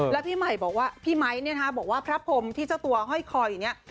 แล้วพี่ใหม่บอกว่าพี่ไมค์บอกว่าพระพรมที่เจ้าตัวห้อยคออยู่เนี่ย